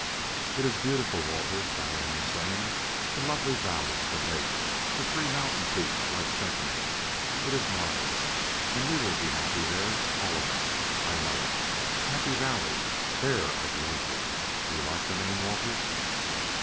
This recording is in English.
"It is beautiful, Walter," Diane was saying: "the lovely valley, the lake, the three mountain peaks like sentinels. It is marvelous. And we will be happy there, all of us, I know it.... Happy Valley. There I've named it! Do you like the name, Walter?"